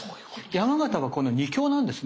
山形はこの２強なんですね。